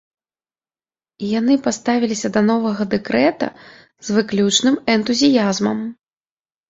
І яны паставіліся да новага дэкрэта з выключным энтузіязмам.